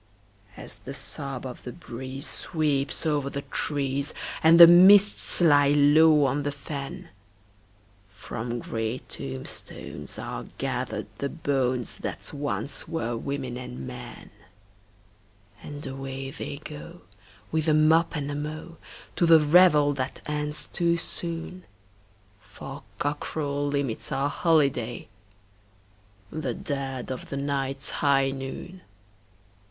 As the sob of the breeze sweeps over the trees, and the mists lie low on the fen, From grey tombstones are gathered the bones that once were women and men, And away they go, with a mop and a mow, to the revel that ends too soon, For cockcrow limits our holiday—the dead of the night's high noon!